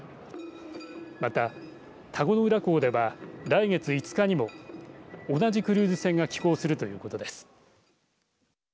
また田子の浦港では来月５日にも同じクルーズ船が寄港するということです。